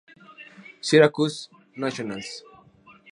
Syracuse Nationals